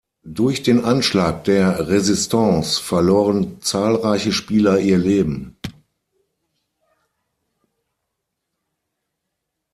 Durch den Anschlag der Resistance verloren zahlreiche Spieler ihr Leben.